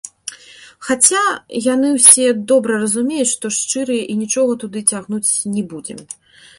Хаця, яны ўсе добра разумеюць, што шчырыя і нічога туды цягнуць не будзем.